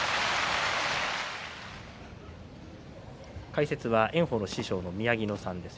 解説は炎鵬の師匠の宮城野さんです。